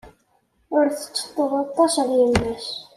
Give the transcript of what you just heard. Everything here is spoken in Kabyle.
Ur tetteṭṭeḍ aṭas ɣer yemma-s.